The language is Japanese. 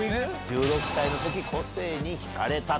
１６歳の時個性に惹かれた。